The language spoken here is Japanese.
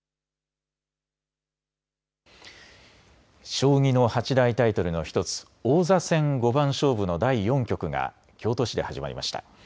将棋の八大タイトルの１つ、王座戦五番勝負の第４局が京都市で始まりました。